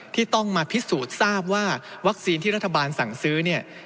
ที่ต้องมาพิสูจน์ทราบว่าวัคซีนที่รัฐบาลสั่งซื้อเนี่ย